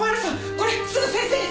これすぐ先生に届けて！